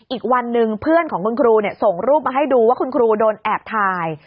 อีกวันหนึ่งเพื่อนของคุณครูส่งรูปมาให้ดูว่าคุณครูโดนแอบถ่าย